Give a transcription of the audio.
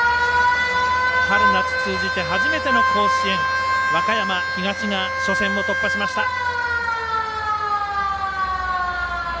春夏通じて初めての甲子園和歌山東が初戦を突破しました。